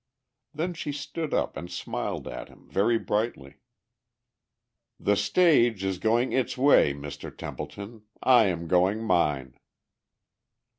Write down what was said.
Then she stood up and smiled at him very brightly. "The stage is going its way, Mr. Templeton. I am going mine."